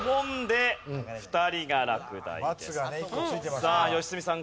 さあさあ良純さん